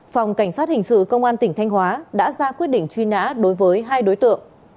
phòng cảnh sát hình sự công an tỉnh thanh hóa đã ra quyết định truy nã đối với hai đối tượng